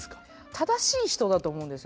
正しい人だと思うんですよ